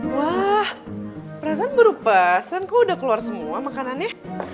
wah perasaan berupasan kok udah keluar semua makanannya